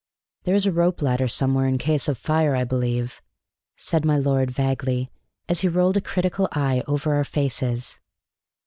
"There's a rope ladder somewhere, in case of fire, I believe," said my lord vaguely, as he rolled a critical eye over our faces.